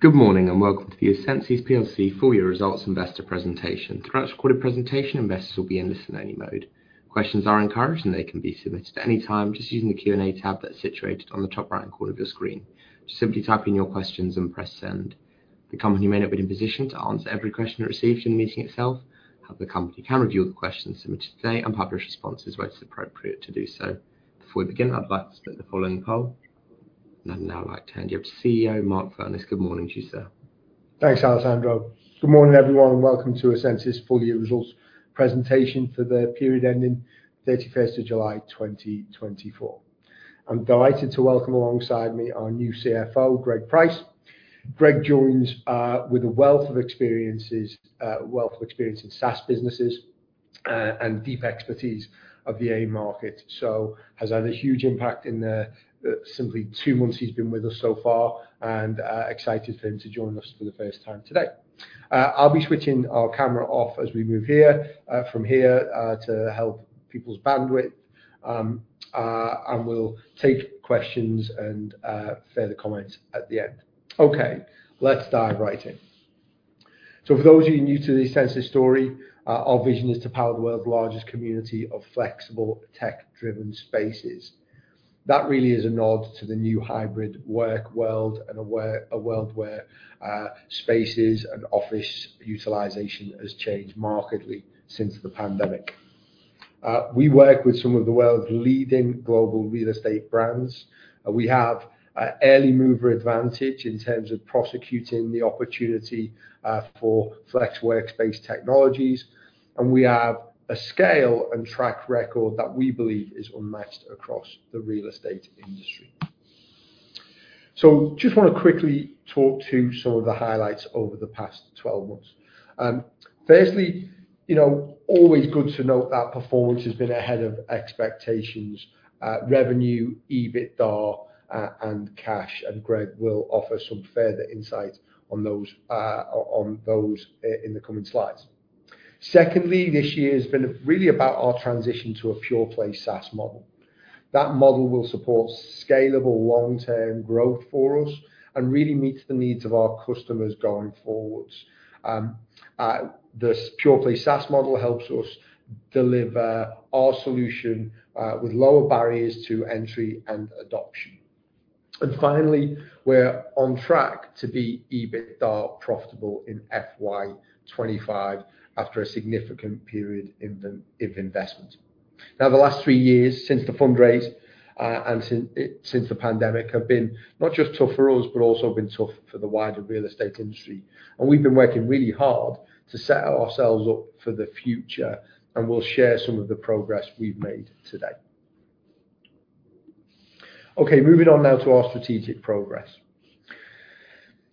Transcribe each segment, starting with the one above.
Good morning and welcome to the essensys plc Full-Year Results Investor Presentation. Throughout this recorded presentation, investors will be in listen-only mode. Questions are encouraged, and they can be submitted at any time just using the Q&A tab that's situated on the top right-hand corner of your screen. Just simply type in your questions and press send. The company may not be in a position to answer every question it receives during the meeting itself, however, the company can review the questions submitted today and publish responses where it's appropriate to do so. Before we begin, I'd like to submit the following poll, and I'd now like to hand you over to CEO Mark Furness. Good morning to you, sir. Thanks, Alessandro. Good morning, everyone, and welcome to essensys Full-Year Results Presentation for the period ending 31st of July, 2024. I'm delighted to welcome alongside me our new CFO, Greg Price. Greg joins with a wealth of experiences in SaaS businesses and deep expertise of the APAC market, so has had a huge impact in simply two months he's been with us so far, and excited for him to join us for the first time today. I'll be switching our camera off as we move from here to help people's bandwidth, and we'll take questions and further comments at the end. Okay, let's dive right in. So for those of you new to the essensys story, our vision is to power the world's largest community of flexible tech-driven spaces. That really is a nod to the new hybrid work world and a world where spaces and office utilization has changed markedly since the pandemic. We work with some of the world's leading global real estate brands. We have early mover advantage in terms of prosecuting the opportunity for flex workspace technologies, and we have a scale and track record that we believe is unmatched across the real estate industry. So just want to quickly talk to some of the highlights over the past 12 months. Firstly, you know, always good to note that performance has been ahead of expectations. Revenue, EBITDA, and cash, and Greg will offer some further insight on those in the coming slides. Secondly, this year has been really about our transition to a pure-play SaaS model. That model will support scalable long-term growth for us and really meets the needs of our customers going forward. This pure-play SaaS model helps us deliver our solution with lower barriers to entry and adoption, and finally, we're on track to be EBITDA profitable in FY25 after a significant period of investment. Now, the last three years since the fundraise and since the pandemic have been not just tough for us, but also been tough for the wider real estate industry, and we've been working really hard to set ourselves up for the future, and we'll share some of the progress we've made today. Okay, moving on now to our strategic progress,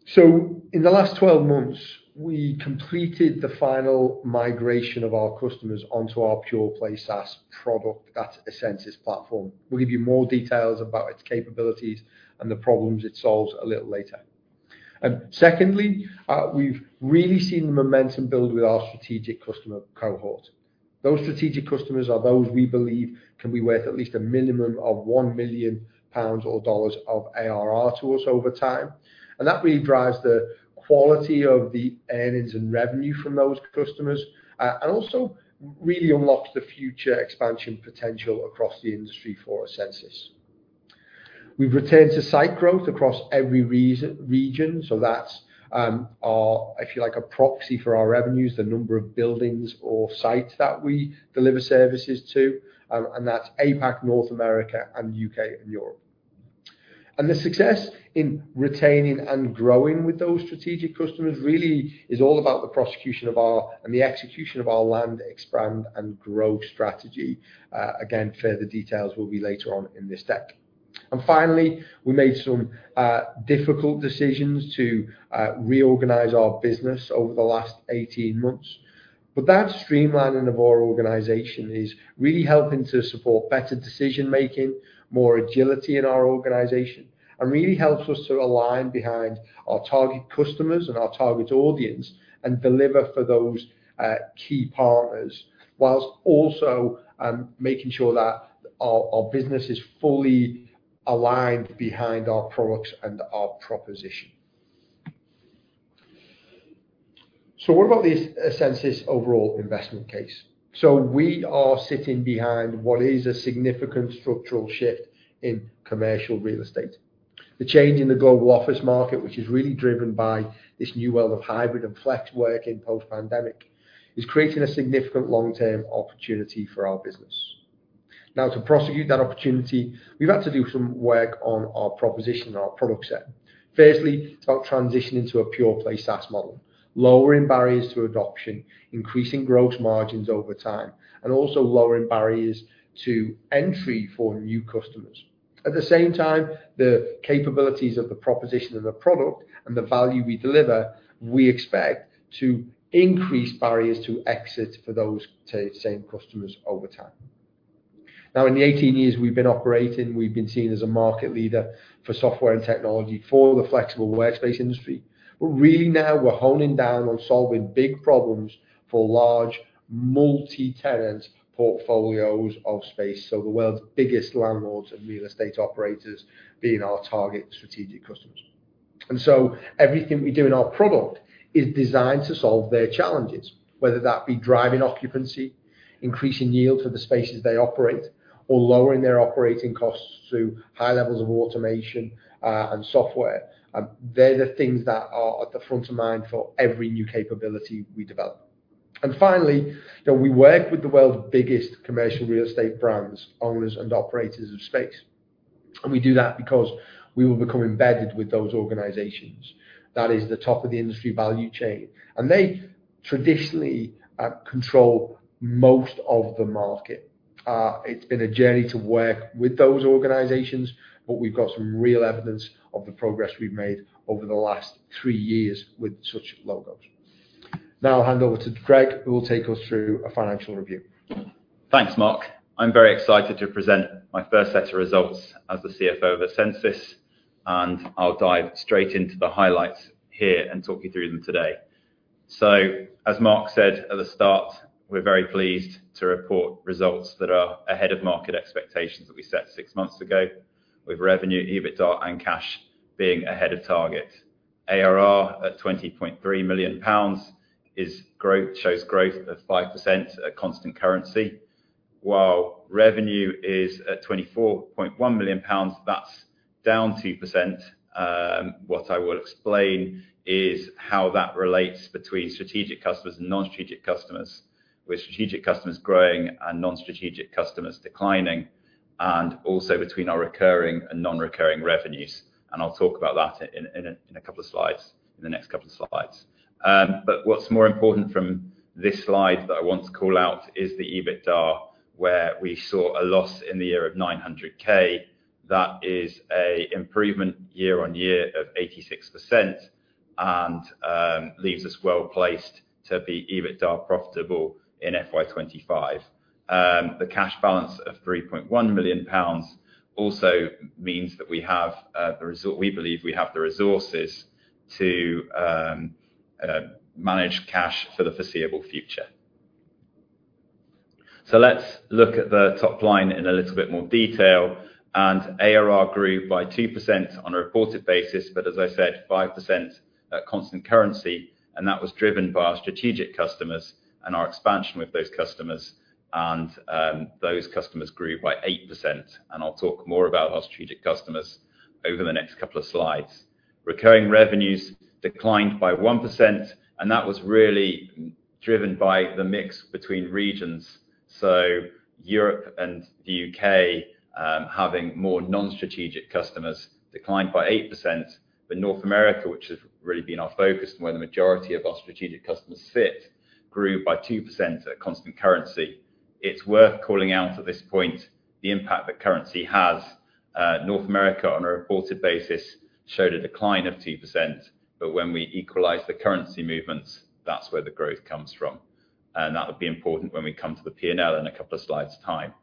so in the last 12 months, we completed the final migration of our customers onto our pure-play SaaS product, that's the essensys Platform. We'll give you more details about its capabilities and the problems it solves a little later, and secondly, we've really seen the momentum build with our strategic customer cohort. Those strategic customers are those we believe can be worth at least a minimum of 1 million pounds or $1 million of ARR to us over time, and that really drives the quality of the earnings and revenue from those customers and also really unlocks the future expansion potential across the industry for essensys. We've returned to site growth across every region, so that's our, if you like, a proxy for our revenues, the number of buildings or sites that we deliver services to, and that's APAC, North America, and the U.K. and Europe. The success in retaining and growing with those strategic customers really is all about the prosecution of our and the execution of our land expand and grow strategy. Again, further details will be later on in this deck. Finally, we made some difficult decisions to reorganize our business over the last 18 months, but that streamlining of our organization is really helping to support better decision-making, more agility in our organization, and really helps us to align behind our target customers and our target audience and deliver for those key partners, whilst also making sure that our business is fully aligned behind our products and our proposition. What about the essensys overall investment case? We are sitting behind what is a significant structural shift in commercial real estate. The change in the global office market, which is really driven by this new world of hybrid and flex working post-pandemic, is creating a significant long-term opportunity for our business. Now, to prosecute that opportunity, we've had to do some work on our proposition, our product set. Firstly, it's about transitioning to a pure-play SaaS model, lowering barriers to adoption, increasing gross margins over time, and also lowering barriers to entry for new customers. At the same time, the capabilities of the proposition and the product and the value we deliver, we expect to increase barriers to exit for those same customers over time. Now, in the 18 years we've been operating, we've been seen as a market leader for software and technology for the flexible workspace industry, but really now we're honing down on solving big problems for large multi-tenant portfolios of space, so the world's biggest landlords and real estate operators being our target strategic customers. And so everything we do in our product is designed to solve their challenges, whether that be driving occupancy, increasing yield for the spaces they operate, or lowering their operating costs through high levels of automation and software. They're the things that are at the front of mind for every new capability we develop. And finally, we work with the world's biggest commercial real estate brands, owners, and operators of space. And we do that because we will become embedded with those organizations. That is the top of the industry value chain, and they traditionally control most of the market. It's been a journey to work with those organizations, but we've got some real evidence of the progress we've made over the last three years with such logos. Now I'll hand over to Greg, who will take us through a financial review. Thanks, Mark. I'm very excited to present my first set of results as the CFO of essensys, and I'll dive straight into the highlights here and talk you through them today. So, as Mark said at the start, we're very pleased to report results that are ahead of market expectations that we set six months ago, with revenue, EBITDA, and cash being ahead of target. ARR at 20.3 million pounds shows growth of 5% at constant currency, while revenue is at 24.1 million pounds. That's down 2%. What I will explain is how that relates between strategic customers and non-strategic customers, with strategic customers growing and non-strategic customers declining, and also between our recurring and non-recurring revenues. And I'll talk about that in a couple of slides, in the next couple of slides. What's more important from this slide that I want to call out is the EBITDA, where we saw a loss in the year of 900,000. That is an improvement year on year of 86% and leaves us well placed to be EBITDA profitable in FY25. The cash balance of 3.1 million pounds also means that we have the resource. We believe we have the resources to manage cash for the foreseeable future. Let's look at the top line in a little bit more detail. ARR grew by 2% on a reported basis, but as I said, 5% at constant currency, and that was driven by our strategic customers and our expansion with those customers. Those customers grew by 8%, and I'll talk more about our strategic customers over the next couple of slides. Recurring revenues declined by 1%, and that was really driven by the mix between regions, so Europe and the U.K. having more non-strategic customers declined by 8%, but North America, which has really been our focus and where the majority of our strategic customers sit, grew by 2% at constant currency. It's worth calling out at this point the impact that currency has. North America, on a reported basis, showed a decline of 2%, but when we equalize the currency movements, that's where the growth comes from, and that would be important when we come to the P&L in a couple of slides' time.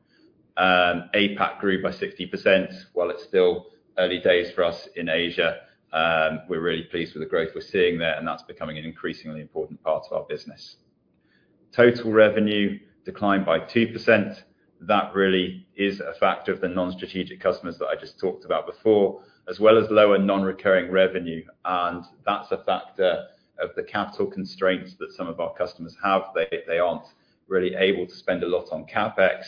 APAC grew by 60%. While it's still early days for us in Asia, we're really pleased with the growth we're seeing there, and that's becoming an increasingly important part of our business. Total revenue declined by 2%. That really is a factor of the non-strategic customers that I just talked about before, as well as lower non-recurring revenue, and that's a factor of the capital constraints that some of our customers have. They aren't really able to spend a lot on CapEx.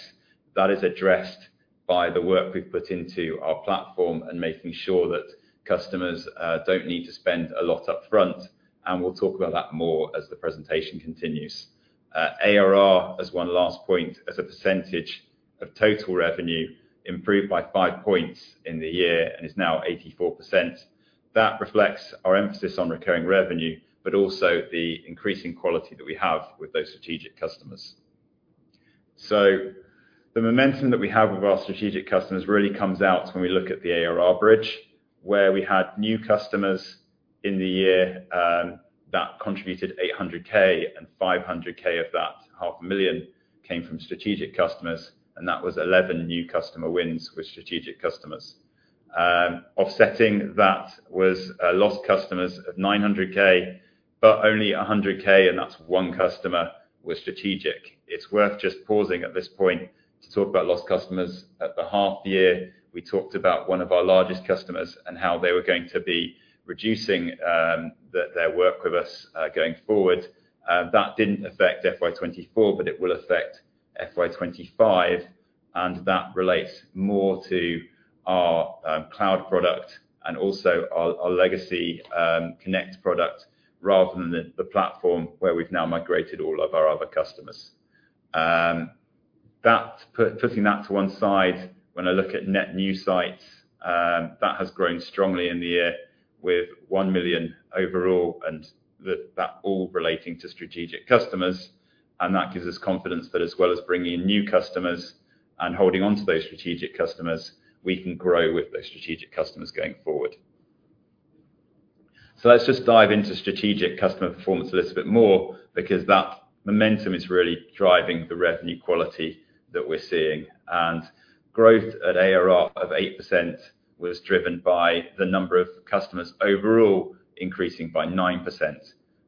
That is addressed by the work we've put into our platform and making sure that customers don't need to spend a lot upfront, and we'll talk about that more as the presentation continues. ARR, as one last point, as a percentage of total revenue, improved by five points in the year and is now 84%. That reflects our emphasis on recurring revenue, but also the increasing quality that we have with those strategic customers. So the momentum that we have with our strategic customers really comes out when we look at the ARR bridge, where we had new customers in the year that contributed 800,000, and 500,000 of that, 500,000, came from strategic customers, and that was 11 new customer wins with strategic customers. Offsetting that was lost customers of 900,000, but only 100,000, and that's one customer with strategic. It's worth just pausing at this point to talk about lost customers at the half year. We talked about one of our largest customers and how they were going to be reducing their work with us going forward. That didn't affect FY24, but it will affect FY25, and that relates more to our cloud product and also our legacy Connect product rather than the Platform where we've now migrated all of our other customers. Putting that to one side, when I look at net new sites, that has grown strongly in the year with 1 million overall, and that all relating to strategic customers. And that gives us confidence that as well as bringing in new customers and holding on to those strategic customers, we can grow with those strategic customers going forward. So let's just dive into strategic customer performance a little bit more because that momentum is really driving the revenue quality that we're seeing. And growth at ARR of 8% was driven by the number of customers overall increasing by 9%.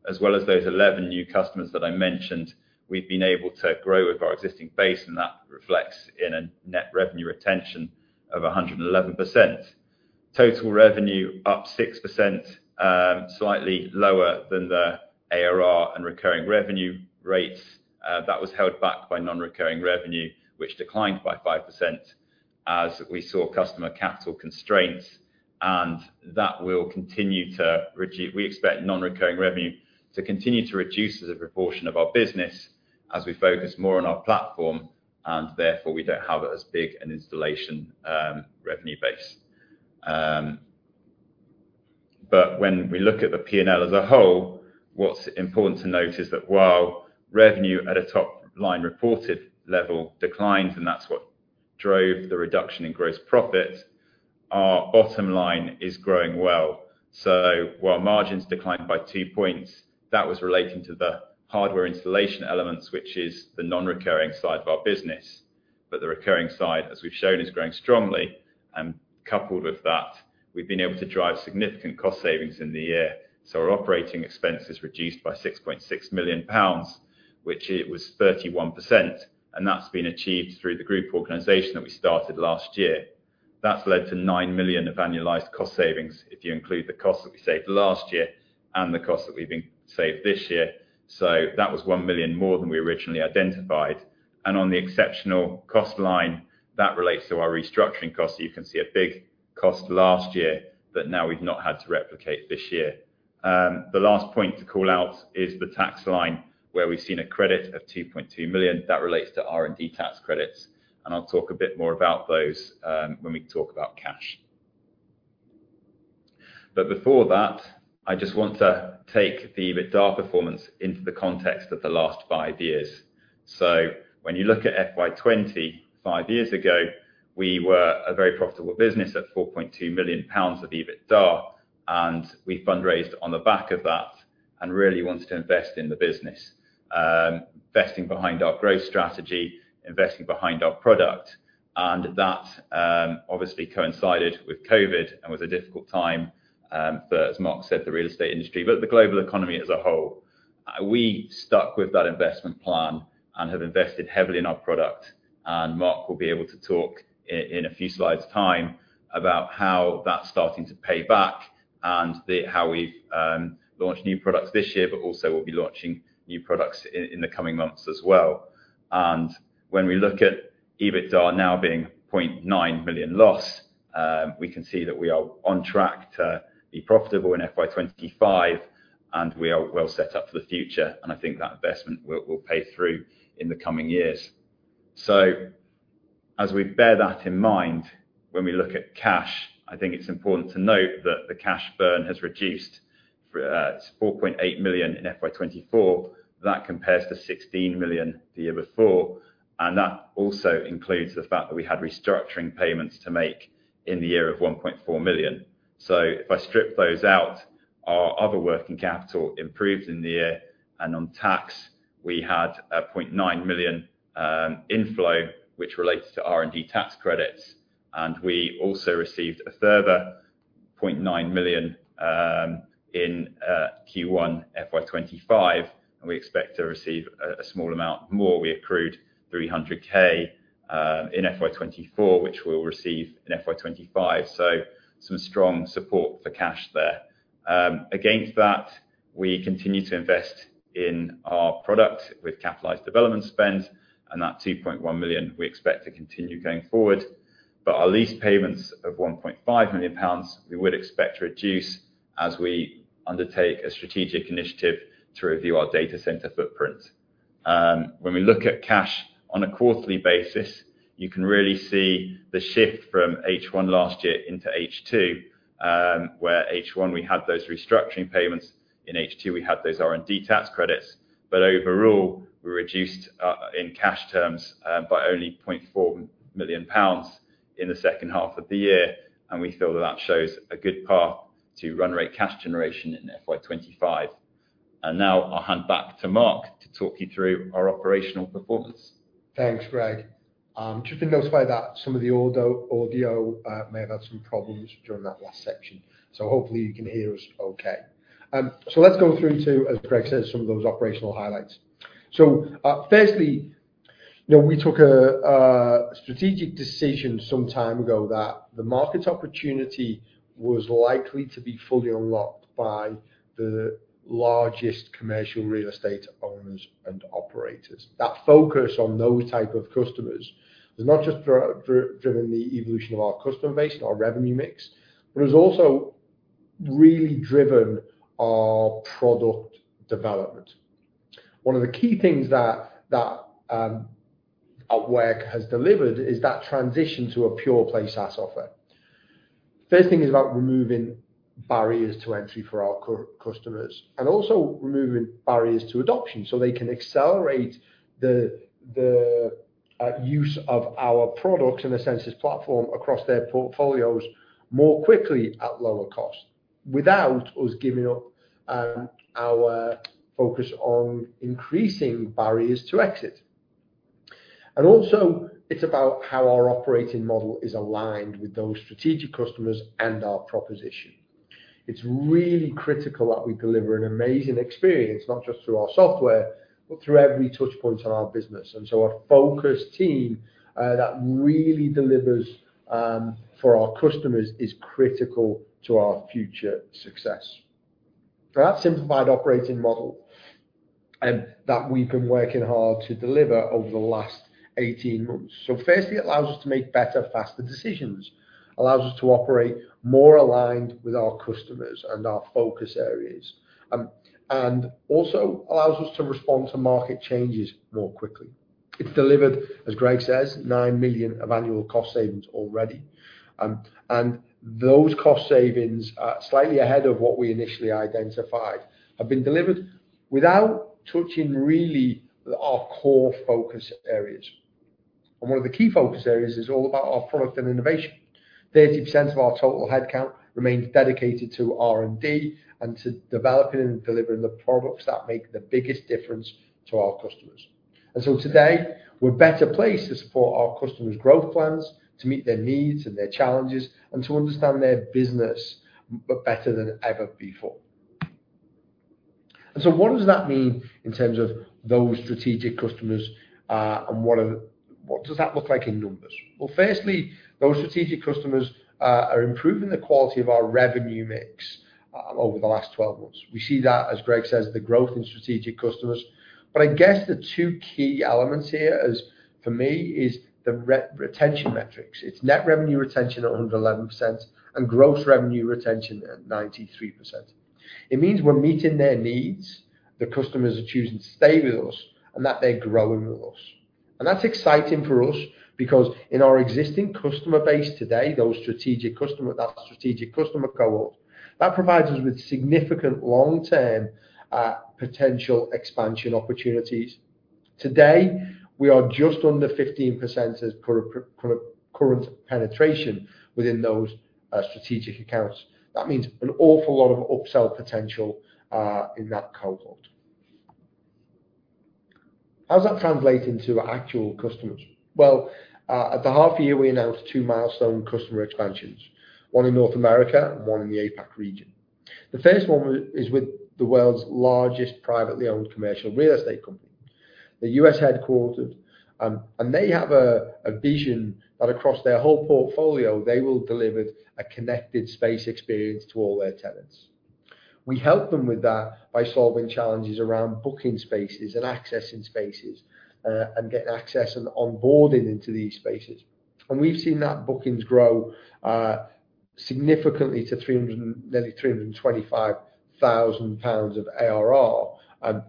As well as those 11 new customers that I mentioned, we've been able to grow with our existing base, and that reflects in a net revenue retention of 111%. Total revenue up 6%, slightly lower than the ARR and recurring revenue rates. That was held back by non-recurring revenue, which declined by 5% as we saw customer capital constraints. And that will continue to, we expect non-recurring revenue to continue to reduce as a proportion of our business as we focus more on our platform, and therefore we don't have as big an installation revenue base. But when we look at the P&L as a whole, what's important to note is that while revenue at a top line reported level declined, and that's what drove the reduction in gross profit, our bottom line is growing well. So while margins declined by two points, that was relating to the hardware installation elements, which is the non-recurring side of our business. But the recurring side, as we've shown, is growing strongly. And coupled with that, we've been able to drive significant cost savings in the year. Our operating expense is reduced by 6.6 million pounds, which was 31%, and that's been achieved through the group reorganization that we started last year. That's led to 9 million of annualized cost savings if you include the cost that we saved last year and the cost that we've saved this year. That was 1 million more than we originally identified. On the exceptional cost line, that relates to our restructuring costs. You can see a big cost last year that now we've not had to replicate this year. The last point to call out is the tax line where we've seen a credit of 2.2 million. That relates to R&D tax credits, and I'll talk a bit more about those when we talk about cash. Before that, I just want to take the EBITDA performance into the context of the last five years. So when you look at FY20, five years ago, we were a very profitable business at 4.2 million pounds of EBITDA, and we fundraised on the back of that and really wanted to invest in the business, investing behind our growth strategy, investing behind our product. And that obviously coincided with COVID and was a difficult time, as Mark said, the real estate industry, but the global economy as a whole. We stuck with that investment plan and have invested heavily in our product. And Mark will be able to talk in a few slides' time about how that's starting to pay back and how we've launched new products this year, but also we'll be launching new products in the coming months as well. When we look at EBITDA now being 0.9 million loss, we can see that we are on track to be profitable in FY25, and we are well set up for the future. I think that investment will pay through in the coming years. As we bear that in mind, when we look at cash, I think it's important to note that the cash burn has reduced to 4.8 million in FY24. That compares to 16 million the year before. That also includes the fact that we had restructuring payments to make in the year of 1.4 million. If I strip those out, our other working capital improved in the year. On tax, we had 0.9 million inflow, which relates to R&D tax credits. We also received a further 0.9 million in Q1 FY25, and we expect to receive a small amount more. We accrued 300,000 in FY 2024, which we'll receive in FY 2025. So some strong support for cash there. Against that, we continue to invest in our product with capitalized development spend, and that 2.1 million we expect to continue going forward. But our lease payments of 1.5 million pounds, we would expect to reduce as we undertake a strategic initiative to review our data center footprint. When we look at cash on a quarterly basis, you can really see the shift from H1 last year into H2, where H1 we had those restructuring payments. In H2, we had those R&D tax credits, but overall, we reduced in cash terms by only 0.4 million pounds in the second half of the year. And we feel that that shows a good path to run rate cash generation in FY 2025. And now I'll hand back to Mark to talk you through our operational performance. Thanks, Greg. Just to notify that some of the audio may have had some problems during that last section. So hopefully you can hear us okay. So let's go through to, as Greg said, some of those operational highlights. So firstly, we took a strategic decision some time ago that the market opportunity was likely to be fully unlocked by the largest commercial real estate owners and operators. That focus on those type of customers has not just driven the evolution of our customer base and our revenue mix, but has also really driven our product development. One of the key things that we have delivered is that transition to a pure play SaaS offer. First thing is about removing barriers to entry for our customers and also removing barriers to adoption so they can accelerate the use of our products and the essensys Platform across their portfolios more quickly at lower cost without us giving up our focus on increasing barriers to exit. And also, it's about how our operating model is aligned with those strategic customers and our proposition. It's really critical that we deliver an amazing experience, not just through our software, but through every touchpoint on our business. And so a focused team that really delivers for our customers is critical to our future success. That simplified operating model that we've been working hard to deliver over the last 18 months. So firstly, it allows us to make better, faster decisions, allows us to operate more aligned with our customers and our focus areas, and also allows us to respond to market changes more quickly. It's delivered, as Greg says, 9 million of annual cost savings already. And those cost savings, slightly ahead of what we initially identified, have been delivered without touching really our core focus areas. And one of the key focus areas is all about our product and innovation. 30% of our total headcount remains dedicated to R&D and to developing and delivering the products that make the biggest difference to our customers. And so today, we're better placed to support our customers' growth plans, to meet their needs and their challenges, and to understand their business better than ever before. And so what does that mean in terms of those strategic customers? What does that look like in numbers? Firstly, those strategic customers are improving the quality of our revenue mix over the last 12 months. We see that, as Greg says, the growth in strategic customers. I guess the two key elements here, for me, is the retention metrics. It's net revenue retention at 111% and gross revenue retention at 93%. It means we're meeting their needs. The customers are choosing to stay with us and that they're growing with us. That's exciting for us because in our existing customer base today, that strategic customer cohort, that provides us with significant long-term potential expansion opportunities. Today, we are just under 15% as per current penetration within those strategic accounts. That means an awful lot of upsell potential in that cohort. How does that translate into actual customers? At the half year, we announced two milestone customer expansions, one in North America and one in the APAC region. The first one is with the world's largest privately owned commercial real estate company, the U.S.-headquartered. They have a vision that across their whole portfolio, they will deliver a connected space experience to all their tenants. We help them with that by solving challenges around booking spaces and accessing spaces and getting access and onboarding into these spaces. We've seen that bookings grow significantly to nearly 325,000 pounds of ARR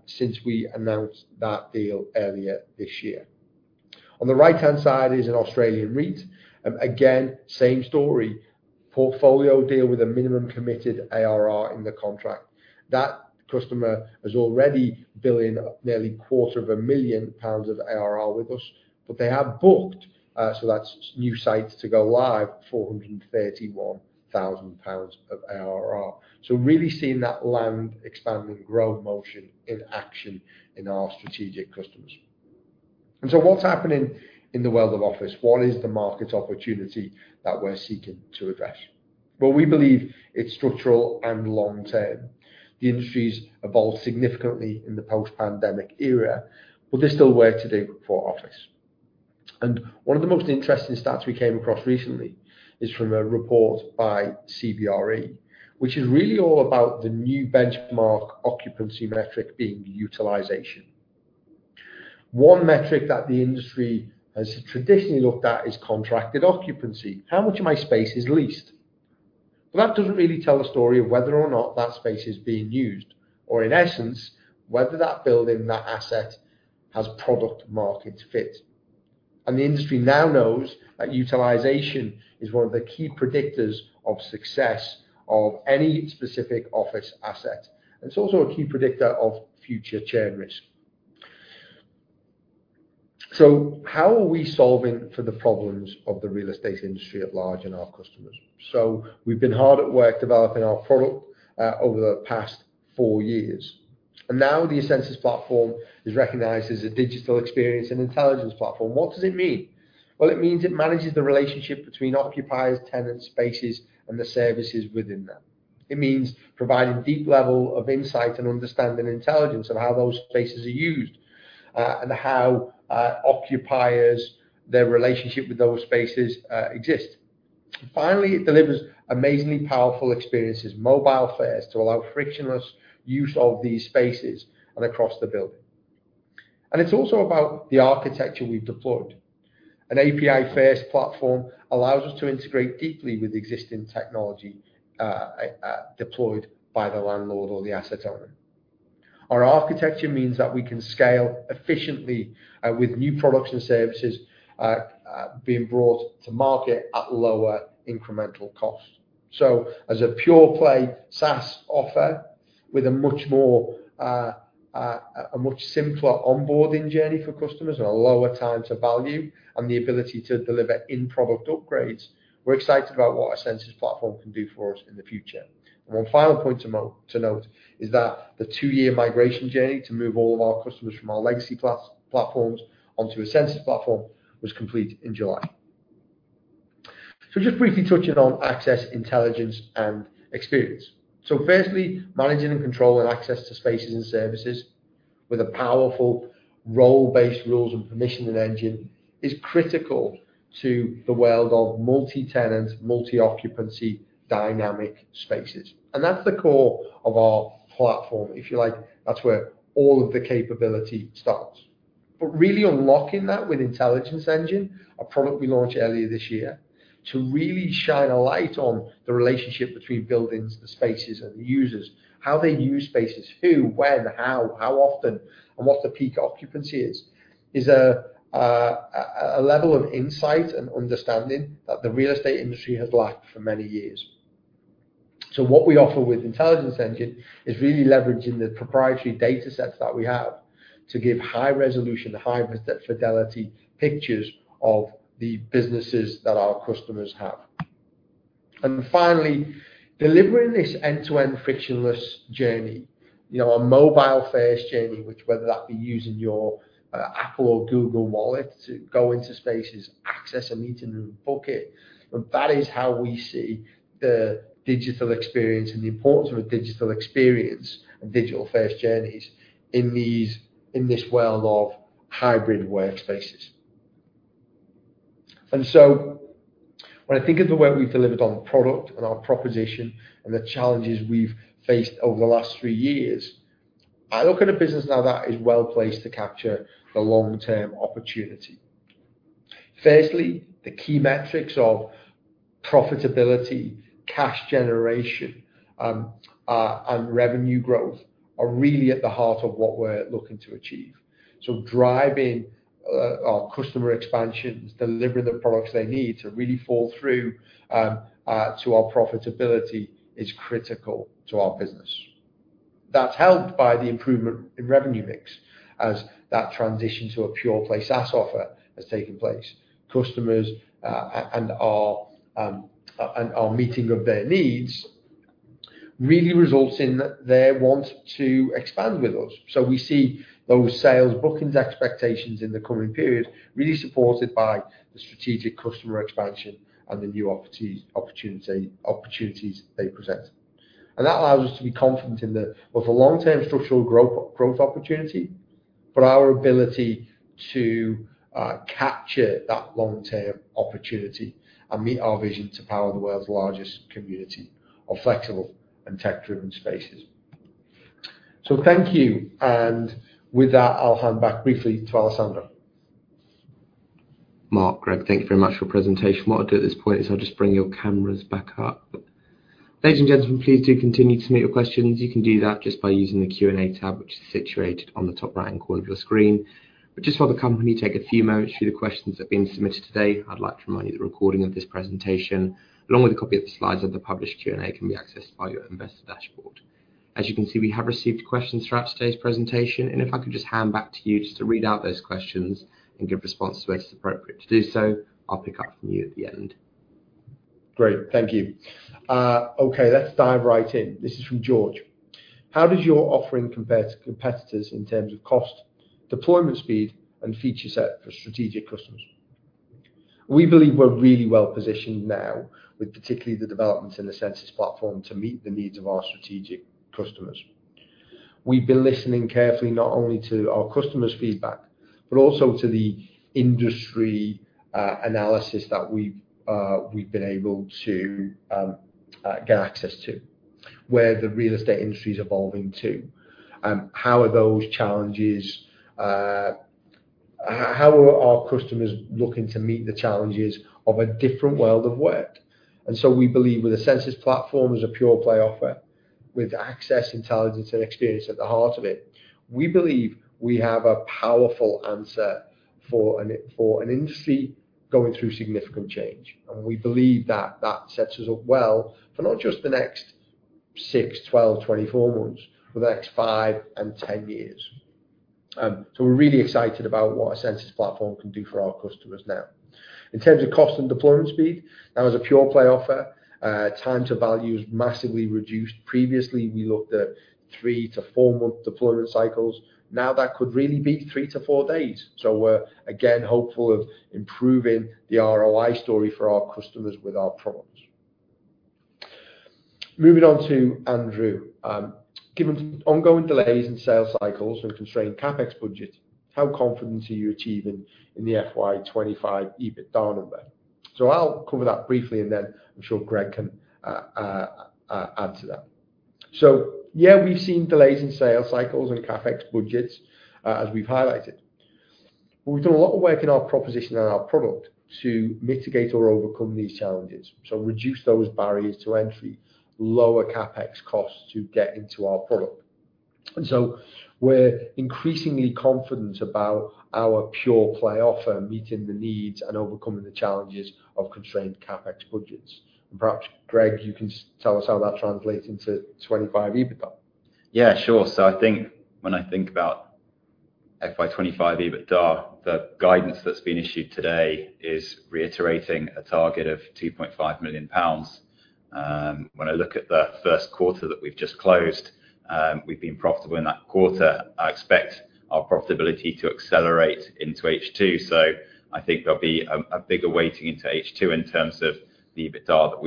since we announced that deal earlier this year. On the right-hand side is an Australian REIT. Again, same story, portfolio deal with a minimum committed ARR in the contract. That customer is already billing nearly 250,000 pounds of ARR with us, but they have booked, so that's new sites to go live, 431,000 pounds of ARR. So really seeing that land and expanding growth motion in action in our strategic customers. And so what's happening in the world of office? What is the market opportunity that we're seeking to address? Well, we believe it's structural and long-term. The industries evolved significantly in the post-pandemic era, but they still work today for office. And one of the most interesting stats we came across recently is from a report by CBRE, which is really all about the new benchmark occupancy metric being utilization. One metric that the industry has traditionally looked at is contracted occupancy. How much of my space is leased? But that doesn't really tell a story of whether or not that space is being used, or in essence, whether that building, that asset has product-market fit. And the industry now knows that utilization is one of the key predictors of success of any specific office asset. It's also a key predictor of future churn risk. How are we solving for the problems of the real estate industry at large and our customers? We've been hard at work developing our product over the past four years. Now the essensys Platform is recognized as a digital experience and intelligence platform. What does it mean? It means it manages the relationship between occupiers, tenants, spaces, and the services within them. It means providing deep level of insight and understanding and intelligence of how those spaces are used and how occupiers, their relationship with those spaces exist. Finally, it delivers amazingly powerful experiences, mobile-first to allow frictionless use of these spaces and across the building. It's also about the architecture we've deployed. An API-first platform allows us to integrate deeply with existing technology deployed by the landlord or the asset owner. Our architecture means that we can scale efficiently with new products and services being brought to market at lower incremental cost. So as a pure play SaaS offer with a much simpler onboarding journey for customers and a lower time to value and the ability to deliver in-product upgrades, we're excited about what essensys Platform can do for us in the future. And one final point to note is that the two-year migration journey to move all of our customers from our legacy platforms onto essensys Platform was complete in July. So just briefly touching on access, intelligence, and experience. So firstly, managing and controlling access to spaces and services with a powerful role-based rules and permissioning engine is critical to the world of multi-tenant, multi-occupancy dynamic spaces. And that's the core of our platform. If you like, that's where all of the capability starts. But really unlocking that with Intelligence Engine, a product we launched earlier this year to really shine a light on the relationship between buildings, the spaces, and the users, how they use spaces, who, when, how, how often, and what the peak occupancy is, is a level of insight and understanding that the real estate industry has lacked for many years. So what we offer with Intelligence Engine is really leveraging the proprietary data sets that we have to give high resolution, high fidelity pictures of the businesses that our customers have. And finally, delivering this end-to-end frictionless journey, our mobile-first journey, which whether that be using your Apple Wallet or Google Wallet to go into spaces, access a meeting room, book it, that is how we see the digital experience and the importance of a digital experience and digital-first journeys in this world of hybrid workspaces. When I think of the work we've delivered on product and our proposition and the challenges we've faced over the last three years, I look at a business now that is well placed to capture the long-term opportunity. Firstly, the key metrics of profitability, cash generation, and revenue growth are really at the heart of what we're looking to achieve. Driving our customer expansions, delivering the products they need to really flow through to our profitability is critical to our business. That's helped by the improvement in revenue mix as that transition to a pure-play SaaS offer has taken place. Customers and our meeting of their needs really results in their want to expand with us. We see those sales bookings expectations in the coming period really supported by the strategic customer expansion and the new opportunities they present. And that allows us to be confident in both a long-term structural growth opportunity, but our ability to capture that long-term opportunity and meet our vision to power the world's largest community of flexible and tech-driven spaces. So thank you. And with that, I'll hand back briefly to Alessandro. Mark, Greg, thank you very much for your presentation. What I'll do at this point is I'll just bring your cameras back up. Ladies and gentlemen, please do continue to submit your questions. You can do that just by using the Q&A tab, which is situated on the top right-hand corner of your screen. But just while the company takes a few moments through the questions that have been submitted today, I'd like to remind you that the recording of this presentation, along with a copy of the slides of the published Q&A, can be accessed via your Investor Dashboard. As you can see, we have received questions throughout today's presentation. And if I could just hand back to you just to read out those questions and give responses where it's appropriate to do so, I'll pick up from you at the end. Great. Thank you. Okay, let's dive right in. This is from George. How does your offering compare to competitors in terms of cost, deployment speed, and feature set for strategic customers? We believe we're really well positioned now with particularly the developments in the essensys Platform to meet the needs of our strategic customers. We've been listening carefully not only to our customers' feedback, but also to the industry analysis that we've been able to get access to, where the real estate industry is evolving to. How are those challenges? How are our customers looking to meet the challenges of a different world of work? And so we believe with essensys Platform as a pure play offer with access, intelligence, and experience at the heart of it, we believe we have a powerful answer for an industry going through significant change. We believe that that sets us up well for not just the next 6, 12, 24 months, but the next 5 and 10 years. We're really excited about what essensys Platform can do for our customers now. In terms of cost and deployment speed, now as a pure play offer, time to value is massively reduced. Previously, we looked at three to four-month deployment cycles. Now that could really be three to four days. We're again hopeful of improving the ROI story for our customers with our products. Moving on to Andrew. Given ongoing delays in sales cycles and constrained CapEx budget, how confident are you achieving in the FY25 EBITDA number? I'll cover that briefly, and then I'm sure Greg can add to that. Yeah, we've seen delays in sales cycles and CapEx budgets as we've highlighted. But we've done a lot of work in our proposition and our product to mitigate or overcome these challenges, so reduce those barriers to entry, lower CapEx costs to get into our product. And so we're increasingly confident about our pure play offer, meeting the needs and overcoming the challenges of constrained CapEx budgets. And perhaps, Greg, you can tell us how that translates into 25% EBITDA. Yeah, sure. So I think when I think about FY25 EBITDA, the guidance that's been issued today is reiterating a target of 2.5 million pounds. When I look at the first quarter that we've just closed, we've been profitable in that quarter. I expect our profitability to accelerate into H2. So I think there'll be a bigger weighting into H2 in terms of the EBITDA that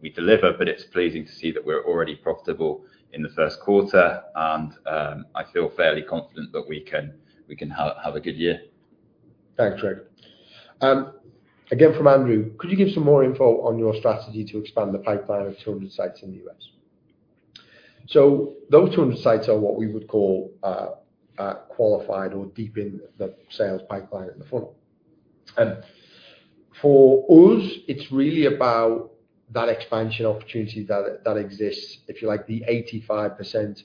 we deliver. But it's pleasing to see that we're already profitable in the first quarter. And I feel fairly confident that we can have a good year. Thanks, Greg. Again, from Andrew, could you give some more info on your strategy to expand the pipeline of 200 sites in the U.S.? So those 200 sites are what we would call qualified or deep in the sales pipeline at the front. For us, it's really about that expansion opportunity that exists, if you like, the 85%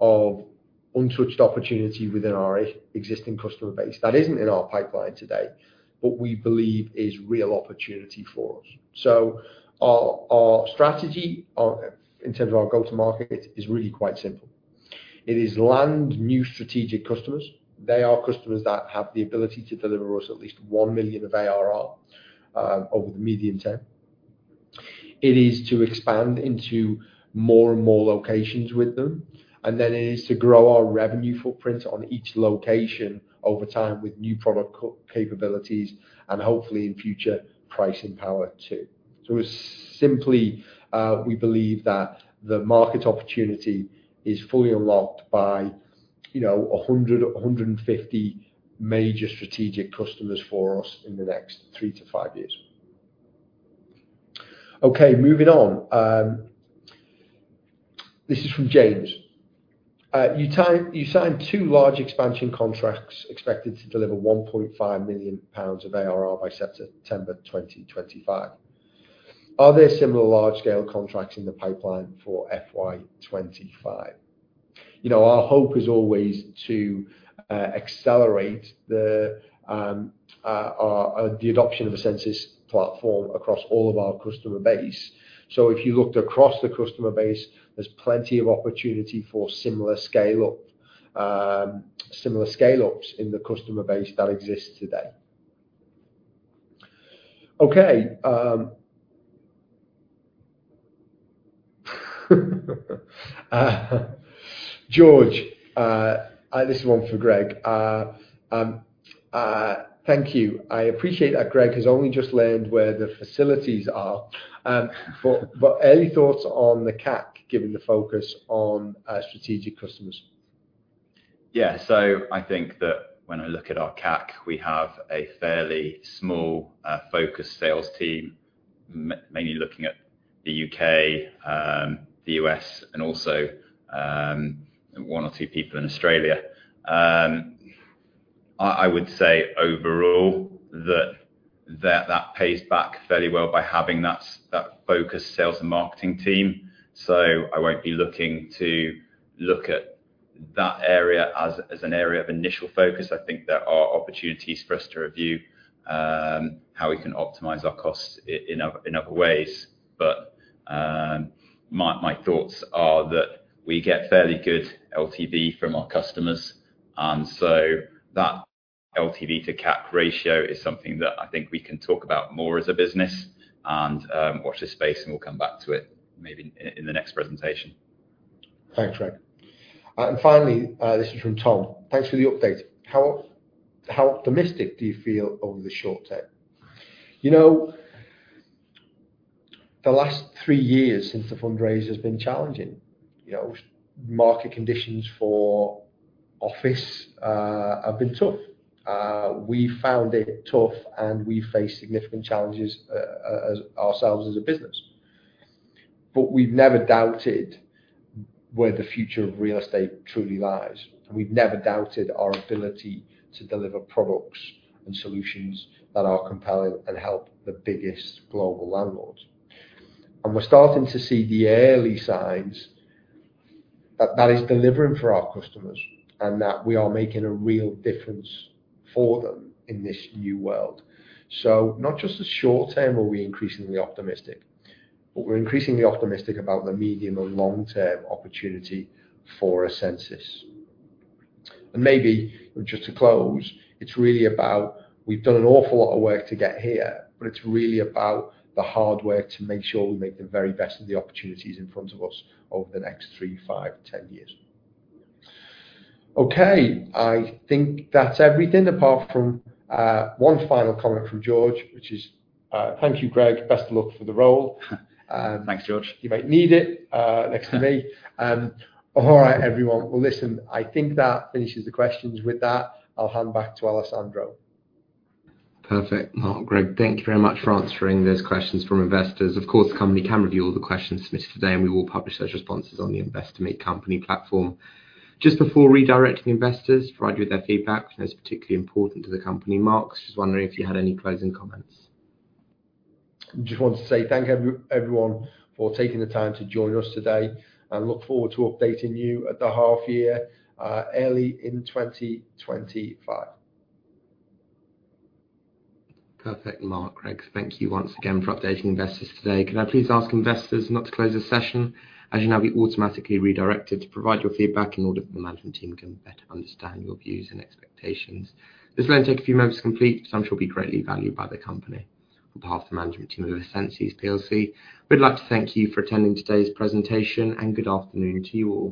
of untouched opportunity within our existing customer base that isn't in our pipeline today, but we believe is real opportunity for us. So our strategy in terms of our go-to-market is really quite simple. It is land new strategic customers. They are customers that have the ability to deliver us at least one million of ARR over the medium term. It is to expand into more and more locations with them. And then it is to grow our revenue footprint on each location over time with new product capabilities and hopefully in future pricing power too. So simply, we believe that the market opportunity is fully unlocked by 100, 150 major strategic customers for us in the next three to five years. Okay, moving on. This is from James. You signed two large expansion contracts expected to deliver 1.5 million pounds of ARR by September 2025. Are there similar large-scale contracts in the pipeline for FY25? Our hope is always to accelerate the adoption of essensys platform across all of our customer base. So if you looked across the customer base, there's plenty of opportunity for similar scale-ups in the customer base that exists today. Okay. George, this is one for Greg. Thank you. I appreciate that Greg has only just learned where the facilities are. But any thoughts on the CAC given the focus on strategic customers? Yeah. So I think that when I look at our CAC, we have a fairly small focused sales team, mainly looking at the U.K., the U.S., and also one or two people in Australia. I would say overall that that pays back fairly well by having that focused sales and marketing team. So I won't be looking to look at that area as an area of initial focus. I think there are opportunities for us to review how we can optimize our costs in other ways. But my thoughts are that we get fairly good LTV from our customers. And so that LTV to CAC ratio is something that I think we can talk about more as a business and watch this space, and we'll come back to it maybe in the next presentation. Thanks, Greg. And finally, this is from Tom. Thanks for the update. How optimistic do you feel over the short term? The last three years since the fundraiser has been challenging. Market conditions for office have been tough. We found it tough, and we faced significant challenges ourselves as a business. But we've never doubted where the future of real estate truly lies. We've never doubted our ability to deliver products and solutions that are compelling and help the biggest global landlords. And we're starting to see the early signs that that is delivering for our customers and that we are making a real difference for them in this new world. So not just the short term are we increasingly optimistic, but we're increasingly optimistic about the medium and long-term opportunity for essensys. And maybe just to close, it's really about we've done an awful lot of work to get here, but it's really about the hard work to make sure we make the very best of the opportunities in front of us over the next 3, 5, 10 years. Okay. I think that's everything apart from one final comment from George, which is thank you, Greg. Best of luck for the role. Thanks, George. You might need it next to me. All right, everyone. Well, listen, I think that finishes the questions with that. I'll hand back to Alessandro. Perfect. Mark and Greg, thank you very much for answering those questions from investors. Of course, the company can review all the questions submitted today, and we will publish those responses on the Investor Meet Company platform. Just before redirecting investors, to provide you with their feedback, that is particularly important to the company, Mark. Just wondering if you had any closing comments. Just wanted to say thank everyone for taking the time to join us today, and look forward to updating you at the half year early in 2025. Perfect. Mark, Greg, thank you once again for updating investors today. Can I please ask investors not to close the session? As you know, we automatically redirected to provide your feedback in order for the management team to better understand your views and expectations. This will only take a few moments to complete, so I'm sure it'll be greatly valued by the company. On behalf of the management team of essensys plc, we'd like to thank you for attending today's presentation, and good afternoon to you all.